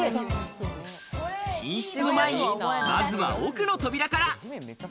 寝室の前にまずは奥の扉から。